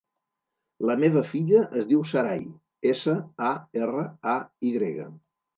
La meva filla es diu Saray: essa, a, erra, a, i grega.